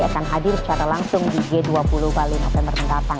akan hadir secara langsung di g dua puluh bali november mendatang